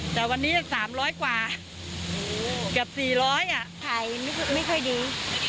แต่วันนี้จะสามร้อยกว่ากับสี่ร้อยอ่ะไขไม่ค่อยไม่ค่อยดี